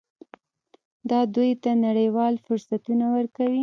دا دوی ته نړیوال فرصتونه ورکوي.